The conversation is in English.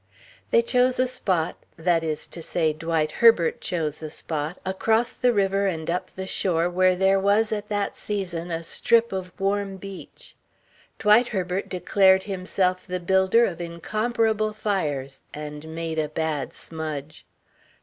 They chose a spot, that is to say Dwight Herbert chose a spot, across the river and up the shore where there was at that season a strip of warm beach. Dwight Herbert declared himself the builder of incomparable fires, and made a bad smudge.